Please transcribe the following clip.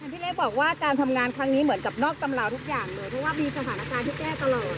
พี่เล็กบอกว่าการทำงานครั้งนี้เหมือนกับนอกตำราวทุกอย่างเลยเพราะว่ามีสถานการณ์ที่แก้ตลอด